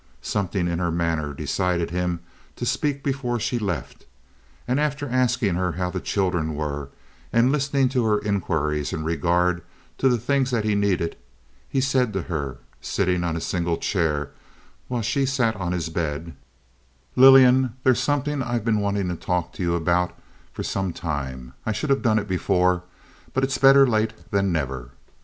Something in her manner decided him to speak before she left; and after asking her how the children were, and listening to her inquiries in regard to the things that he needed, he said to her, sitting on his single chair while she sat on his bed: "Lillian, there's something I've been wanting to talk with you about for some time. I should have done it before, but it's better late than never.